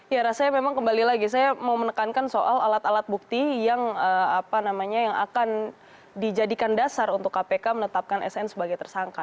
ya rasanya memang kembali lagi saya mau menekankan soal alat alat bukti yang akan dijadikan dasar untuk kpk menetapkan sn sebagai tersangka